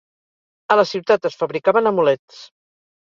A la ciutat es fabricaven amulets.